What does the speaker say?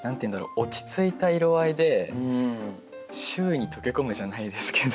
落ち着いた色合いで周囲に溶け込むじゃないですけど。